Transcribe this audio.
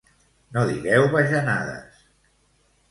no digueu bajanades!